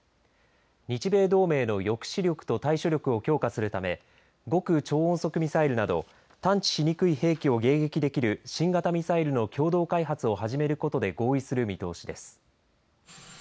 日米同盟の抑止力と対処力を強化するため極超音速ミサイルなど探知しにくい兵器を迎撃できる新型ミサイルの共同開発を始めることで合意する見通しです。